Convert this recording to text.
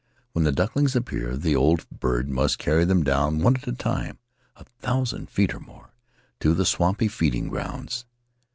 When the ducklings appear the old bird must carry them down one at a time — a thousand feet or more — to the swampy feeding grounds."